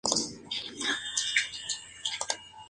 Estas elecciones las ganaría Jaime Lusinchi.